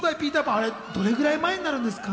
あれ、どれぐらい前になるんですか？